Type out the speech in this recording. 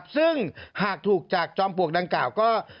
ซึ่งหากถูกจากจอมปลวกดังกล่าวก็